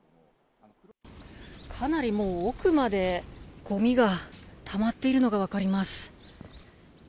かなりもう、奥までごみがたまっているのが分かります。